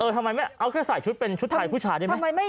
ทำไมไม่เอาแค่ใส่ชุดเป็นชุดไทยผู้ชายได้ไหม